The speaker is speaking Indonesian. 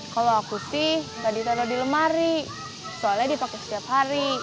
kalau aku sih tadi taruh di lemari